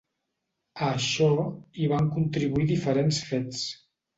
A això hi van contribuir diferents fets.